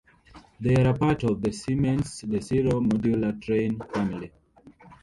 They are a part of the Siemens "Desiro" modular train family.